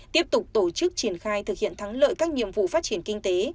tiếp tục tổ chức triển khai thực hiện thắng lợi các nhiệm vụ phát triển kinh tế